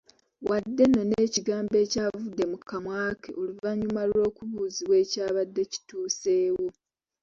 Wadde nno n’ekigamba ekyavudde mu kamwa ke oluvannyuma lw’okubuuzibwa ekyabadde kituseewo.